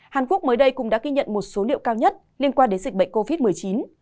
hàn quốc mới đây cũng đã ghi nhận một số liệu cao nhất liên quan đến dịch bệnh covid một mươi chín